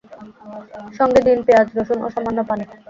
সঙ্গে দিন পেঁয়াজ-রসুন ও সামান্য পানি।